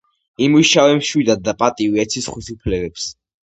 იმუშავე მშვიდად და პატივი ეცი სხვის უფლებებს.